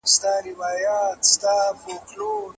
اداري فساد د صفوي دولت بنسټونه وران کړي وو.